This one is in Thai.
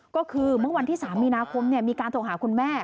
ก็คือเมื่อวันที่๓มีนาคมมีการโทรหาคุณแม่